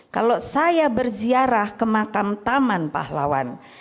kalau saya berziarah ke makam taman pahlawan